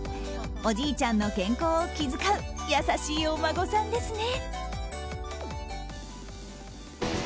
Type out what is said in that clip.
おじいちゃんの健康を気遣う優しいお孫さんですね。